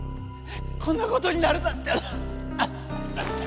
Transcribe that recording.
こんなことになるなんて。